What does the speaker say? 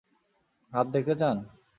হাত দেখতে চান?